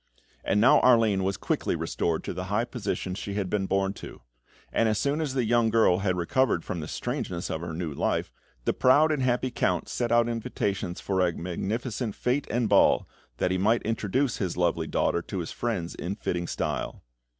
And now Arline was quickly restored to the high position she had been born to; and as soon as the young girl had recovered from the strangeness of her new life, the proud and happy Count sent out invitations for a magnificent fête and ball, that he might introduce his lovely daughter to his friends in fitting style.